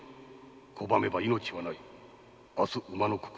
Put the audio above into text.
拒めば命はない」「明日午の刻